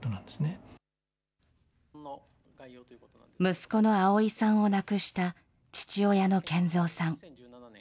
息子の碧さんを亡くした、父親の健三さん。